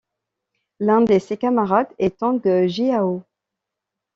L'un de ses camarades est Tang Jiyao.